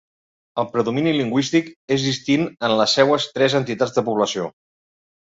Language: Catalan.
El predomini lingüístic és distint en les seues tres entitats de població.